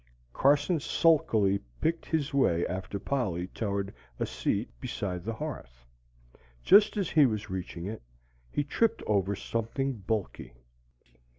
Carson sulkily picked his way after Polly toward a seat beside the hearth. Just as he was reaching it, he tripped over something bulky.